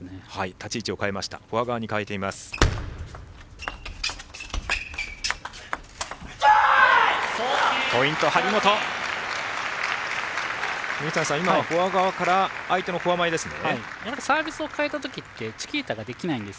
立ち位置をフォア側に変えています。